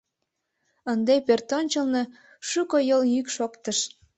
Ынде пӧртӧнчылнӧ шуко йол йӱк шоктыш.